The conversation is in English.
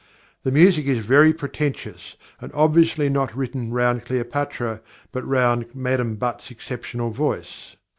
The music is very pretentious, and obviously not written round Cleopatra, but round Madame Butt's exceptional voice.